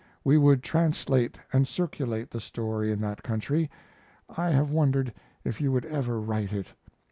We would translate and circulate the story in that country. I have wondered if you would ever write it.